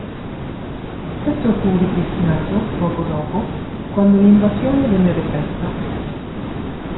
Questo fu ripristinato, poco dopo, quando l'invasione venne repressa.